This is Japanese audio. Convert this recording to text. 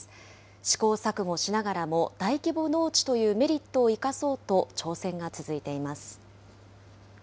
試行錯誤しながらも、大規模農地というメリットを生かそうと挑戦が続いています。